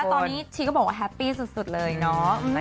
ตอนนี้ชีก็บอกว่าแฮปปี้สุดเลยเนาะ